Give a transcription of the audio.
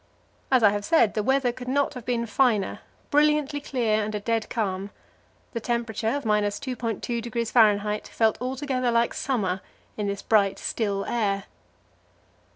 As I have said, the weather could not have been finer brilliantly clear and a dead calm. The temperature of 2.2° F. felt altogether like summer in this bright, still air.